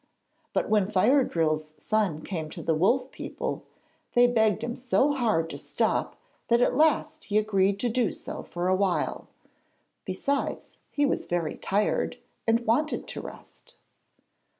But when Fire drill's son came to the Wolf people they begged him so hard to stop that at last he agreed to do so for a while; besides he was very tired, and wanted to rest.